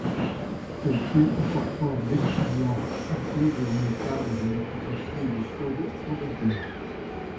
Celles-ci incorporent l'expérience acquise dans le cadre de l'application du Code original.